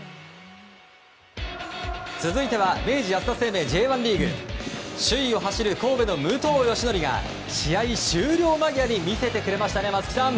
続いては明治安田生命Ｊ１リーグ首位を走る神戸の武藤嘉紀が試合終了間際に見せてくれましたね、松木さん。